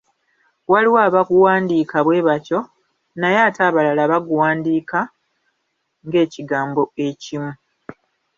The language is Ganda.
Waliwo abaguwandiika bwe batyo, naye ate abalala, baguwandiika ng'ekigambo ekimu.